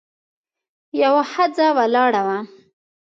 یوه ښځه ولاړه وه.